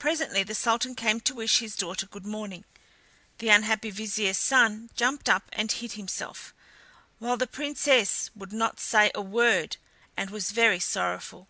Presently the Sultan came to wish his daughter good morning. The unhappy Vizier's son jumped up and hid himself, while the Princess would not say a word and was very sorrowful.